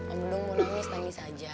om dudung mau nangis nangis aja